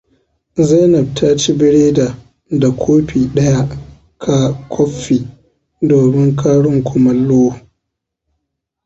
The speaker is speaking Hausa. Zainab ta ci bireda da kofi ɗaya ka koffi domin karin kumallo.